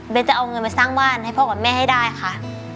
เป็นจะเอาเงินมาสร้างบ้านให้พ่อกับแม่ให้ได้ค่ะ